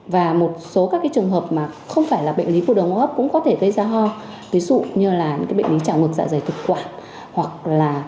và một số các trường hợp mà không phải là bệnh lý của đường hô hấp cũng có thể gây ra ho ví dụ như là những bệnh lý trào ngược dạ dày thực quả